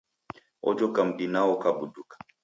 Ojoka m'di nwao ukabuduka.